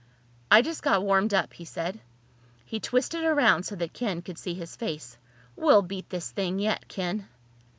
"I just got warmed up," he said. He twisted around so that Ken could see his face. "We'll beat this thing yet, Ken."